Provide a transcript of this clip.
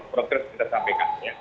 progres kita sampaikan ya